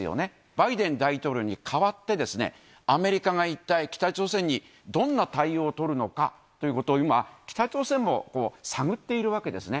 バイデン大統領に代わって、アメリカが一体、北朝鮮にどんな対応を取るのかということを、今、北朝鮮も探っているわけですね。